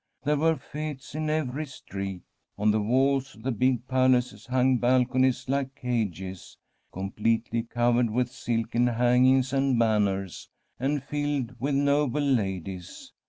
There were fetes in every street. On the walls of the big palaces hung balconies like cages, completely covered with silken hang ings and banners, and filled with noble ladies.